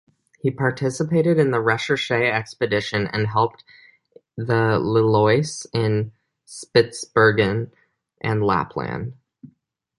He participated in the "Recherche" expedition and helped the "Lilloise" in Spitzbergen and Lapland.